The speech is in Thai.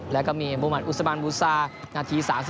แล้วก็มีมุมัติอุสบานบูซานาที๓๔